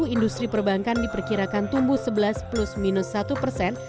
industri perbankan diperkirakan tumbuh sebelas plus minus satu persen